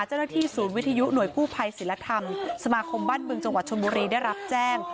เจ้าหน้าที่ศูนย์วิทยุหน่วยกู้ภัยศิลธรรมสมาคมบ้านบึงจังหวัดชนบุรีได้รับแจ้ง